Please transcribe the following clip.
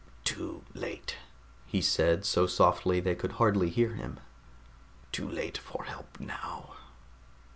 "Too late," he said, so softly they could hardly hear him. "Too late for help now."